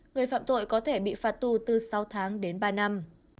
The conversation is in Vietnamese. người phạm tội có thể bị phạt tù từ sáu tháng đến ba năm